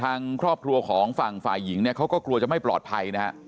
ทางครอบครัวของฝั่งฝ่ายหญิงเนี่ยเขาก็กลัวจะไม่ปลอดภัยนะฮะ